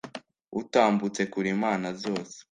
utambutse kure imana zose